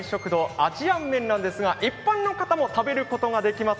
アジアン麺なんですが一般の方も食べることができます。